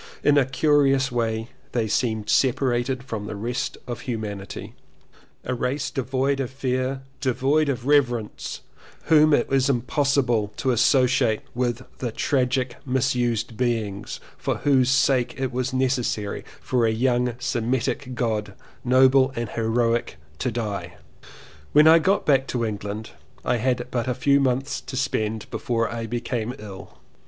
In a curious way they seemed separated from the rest of humanity: a race devoid of fear, devoid of reverence, whom it was impossible to associate with the tragic misused beings for whose sake it was necessary for a young Semitic God, noble and heroic, to die. When I got back to England I had but a few months to spend before I became ill.